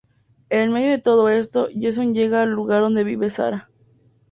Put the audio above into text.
En el medio de todo esto, Jason llega al lugar donde vive Sara.